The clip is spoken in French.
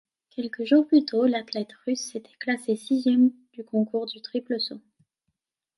Quelques jours plus tôt, l'athlète russe s'était classée sixième du concours du triple saut.